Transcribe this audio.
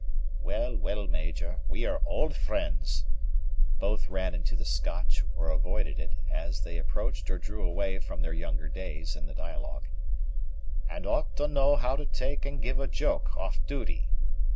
"Well, well, Major, we are auld friends," both ran into the Scotch or avoided it, as they approached or drew away from their younger days, in the dialogue, "and ought to know how to take and give a joke, off duty.